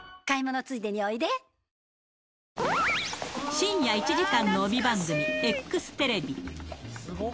深夜１時間の帯番組、ＥＸテレビ。